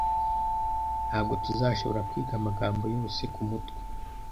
Ntabwo tuzashobora kwiga amagambo yose kumutwe